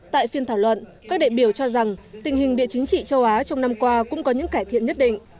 tại phiên thảo luận các đại biểu cho rằng tình hình địa chính trị châu á trong năm qua cũng có những cải thiện nhất định